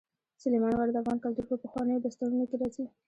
سلیمان غر د افغان کلتور په پخوانیو داستانونو کې راځي.